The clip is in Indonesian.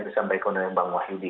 tadi sampai kondisi bang wahidi